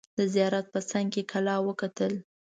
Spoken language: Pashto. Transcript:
د زیارت په څنګ کې کلا وکتل.